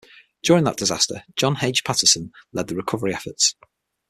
During that disaster, John H. Patterson led the recovery efforts.